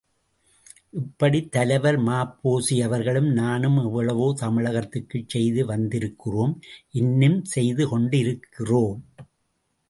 இப்படி தலைவர் ம.பொ.சி.அவர்களும் நானும் எவ்வளவோ தமிழகத்திற்குச் செய்து வந்திருக்கிறோம் இன்னும் செய்து கொண்ருக்கிறோம்.